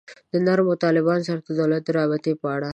د نرمو طالبانو سره د دولت د رابطې په اړه.